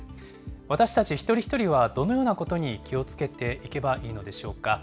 私たち一人一人は、どのようなことに気をつけていけばいいのでしょうか。